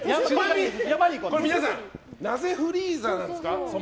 皆さんなぜフリーザなんですか？